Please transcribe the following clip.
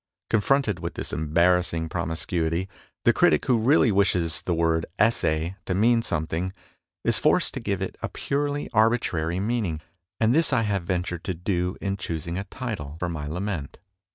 Confronted with this embarrassing promiscuity, the critic who really wishes the word " essay " to mean something is forced to give it a purely arbitrary meaning, and this I have ventured to do in choosing a title for my lament.